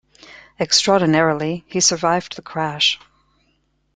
Extraordinarily he survived the crash.